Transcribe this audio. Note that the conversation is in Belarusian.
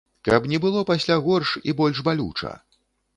Каб не было пасля горш і больш балюча.